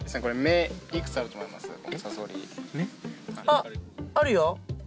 あっあるよ。